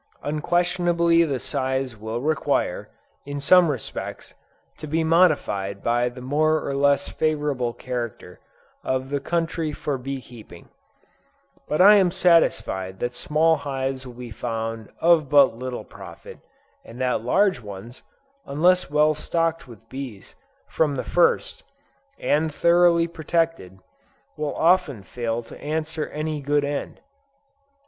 Unquestionably the size will require, in some respects, to be modified by the more or less favorable character of the country for bee keeping; but I am satisfied that small hives will be found of but little profit, and that large ones, unless well stocked with bees, from the first, and thoroughly protected, will often fail to answer any good end.